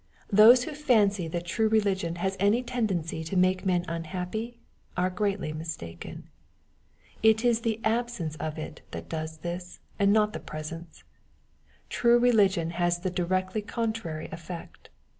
Those who fancy that true religion has any ten dency to make men unhappy, are greatly mistaken. It is the absence of it that does this, and not the presence. True religion has the directly contrary effect.